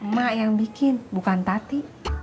mak yang bikin bukan tati